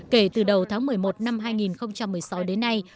kể từ đầu tháng một mươi một năm hai nghìn một mươi sáu đến nay